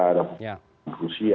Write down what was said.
ada buatan rusia